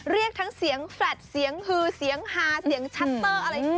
เรียกทั้งเสียงแฟลตเสียงฮือเสียงฮาเสียงชัตเตอร์อะไร